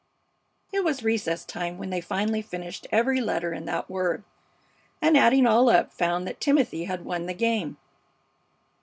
It was recess time when they finally finished every letter in that word, and, adding all up, found that Timothy had won the game.